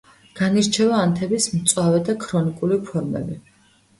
განირჩევა ანთების მწვავე და ქრონიკული ფორმები.